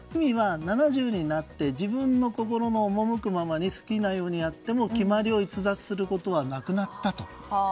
７０になって自分の心の赴くままに好きなようにやっても決まりを逸脱することはなくなったと。